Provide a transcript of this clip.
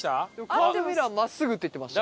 カーブミラー真っすぐって言ってました。